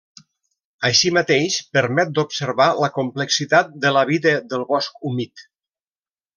Així mateix, permet d'observar la complexitat de la vida del bosc humit.